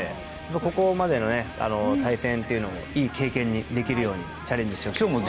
ここまでの対戦というのをいい経験にできるようにチャレンジしてほしいですね。